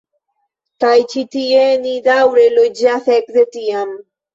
Kaj ĉi tie ni daŭre loĝas ekde tiam.